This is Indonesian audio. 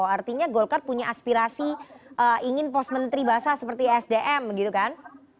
artinya golkar punya aspirasi ingin pos menteri basah seperti sdm gitu kan